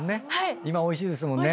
今おいしいですもんね。